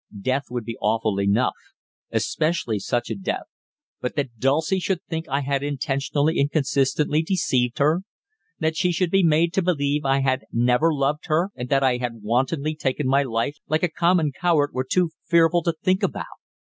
Death would be awful enough, especially such a death, but that Dulcie should think I had intentionally and consistently deceived her; that she should be made to believe I had never loved her and that I had wantonly taken my life like a common coward, were too fearful to think about.